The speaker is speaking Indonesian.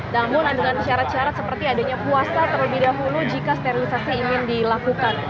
namun dengan syarat syarat seperti adanya puasa terlebih dahulu jika sterilisasi ingin dilakukan